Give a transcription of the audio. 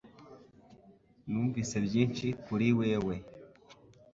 Numvise byinshi kuri wewe